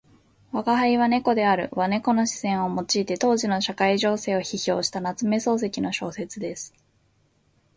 「吾輩は猫である」は猫の視線を用いて当時の社会情勢を批評した夏目漱石の小説です。